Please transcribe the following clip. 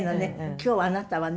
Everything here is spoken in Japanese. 今日はあなたはね